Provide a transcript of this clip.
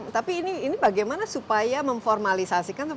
tapi ini bagaimana supaya memformalisasikan